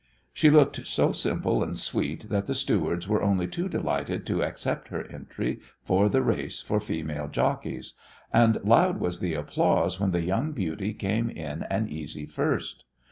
She looked so simple and sweet that the stewards were only too delighted to accept her entry for the race for female jockeys, and loud was the applause when the young beauty came in an easy first.